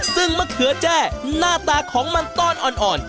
ซึ่งมะเขือแจ้หน้าตาของมันต้อนอ่อน